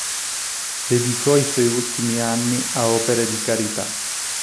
Dedicò i suoi ultimi anni a opere di carità.